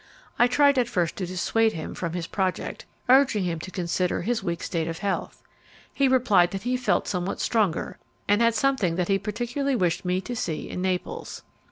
I tried at first to dissuade him from his project, urging him to consider his weak state of health. He replied that he felt somewhat stronger, and had something that he particularly wished me to see in Naples.